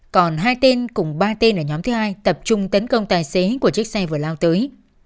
còn hai tên cùng ba tên ở nhóm thứ hai tập trung tấn công tài xế của chiếc xe vừa lao tới